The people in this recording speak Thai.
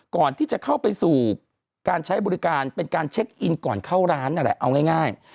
ก่อนที่จะเข้าไปสู่การใช้บริการเป็นการเช็คอินก่อนเข้าร้านนั่นแหละเอาง่าย